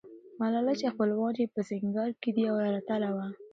ملالۍ چې خپلوان یې په سینګران کې دي، یوه اتله وه.